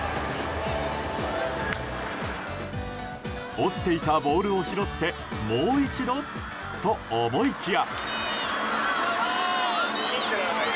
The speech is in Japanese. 落ちていたボールを拾ってもう一度と思いきや。